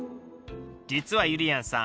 実はゆりやんさん